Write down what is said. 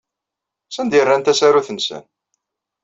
Sanda ay rran tasarut-nsen?